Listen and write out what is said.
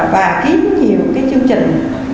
và kiếm nhiều chương trình